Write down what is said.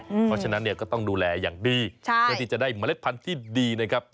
เพราะฉะนั้นเนี่ยก็ต้องดูแลอย่างดีเพื่อที่จะได้เมล็ดพันธุ์ที่ดีนะครับ